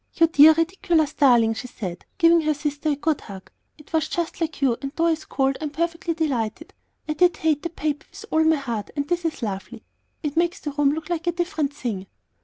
"You dear, ridiculous darling!" she said, giving her sister a good hug; "it was just like you, and though I scold I am perfectly delighted. I did hate that paper with all my heart, and this is lovely. It makes the room look like a different thing."